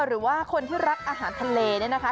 หรือว่าคนที่รักอาหารทะเลเนี่ยนะคะ